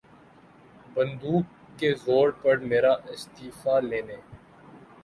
بندوق کے زور پر میرا استعفیٰ لینے